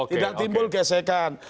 tidak timbul gesekan